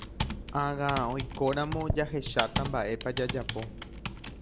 Ág̃a oikóramo jahecháta mba'épa jajapo.